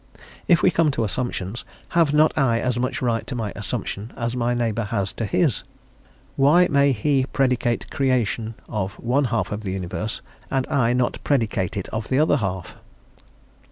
If we come to assumptions, have not I as much right to my assumption as my neighbour has to his? Why may he predicate creation of one half of the universe, and I not predicate it of the other half?